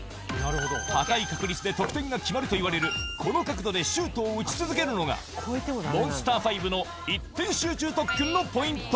高い確率で得点が決まるといわれるこの角度でシュートを打ち続けるのが、モンスター５の一点集中特訓のポイント。